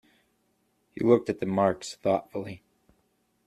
He looked at the marks thoughtfully.